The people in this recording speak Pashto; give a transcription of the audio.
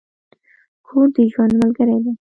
کور د ژوند ملګری دی.